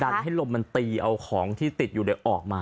ดัดให้ลมมันตีเอาของที่ติดออกมา